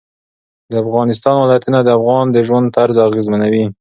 د افغانستان ولايتونه د افغانانو د ژوند طرز اغېزمنوي.